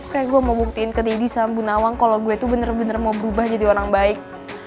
kayaknya gue mau buktiin ke didi sama bunda wang kalau gue tuh bener bener mau berubah jadi orang baik